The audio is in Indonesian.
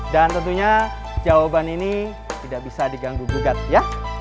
dan tentunya jawaban ini tidak bisa diganggu bugat ya